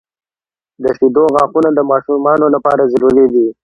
• د شیدو غاښونه د ماشومانو لپاره ضروري دي.